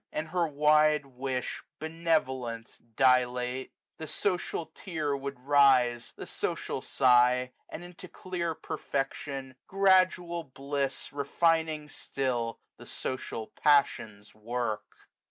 And her wide wish Benevolence dilate; 355 WINTER. 189 The social tear would rise, the social sigh ; And into clear perfe£lion» gradual bliss. Refining still, the social passions work.